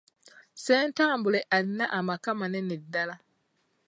Ssentambule alina amaka manene ddala.